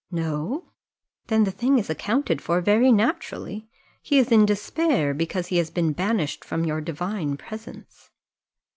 "No! then the thing is accounted for very naturally he is in despair because he has been banished from your divine presence."